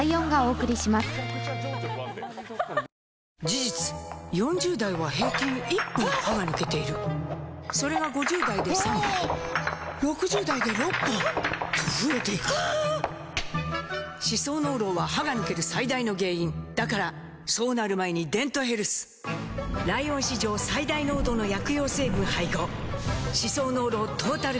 事実４０代は平均１本歯が抜けているそれが５０代で３本６０代で６本と増えていく歯槽膿漏は歯が抜ける最大の原因だからそうなる前に「デントヘルス」ライオン史上最大濃度の薬用成分配合歯槽膿漏トータルケア！